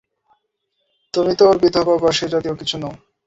তুমি তো ওর বিধবা বা সে জাতীয় কিছু নও।